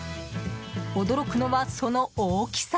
驚くのはその大きさ。